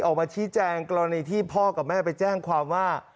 ออกมาชี้แจงกรณีที่พ่อกับแม่ไปแจ้งความว่า